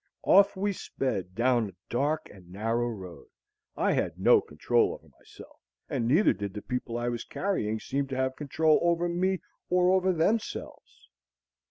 Off we sped down a dark and narrow road. I had no control over myself, and neither did the people I was carrying seem to have control over me or over themselves.